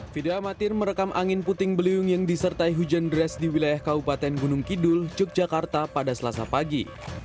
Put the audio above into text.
video amatir merekam angin puting beliung yang disertai hujan deras di wilayah kabupaten gunung kidul yogyakarta pada selasa pagi